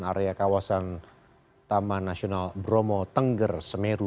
area kawasan taman nasional bromo tengger semeru